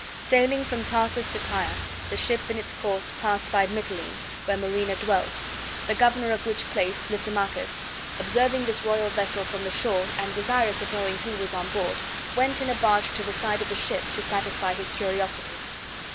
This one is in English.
Sailing from Tarsus to Tyre, the ship in its course passed by Mitylene, where Marina dwelt; the governor of which place, Lysimachus, observing this royal vessel from the shore, and desirous of knowing who was on board, went in a barge to the side of the ship, to satisfy his curiosity.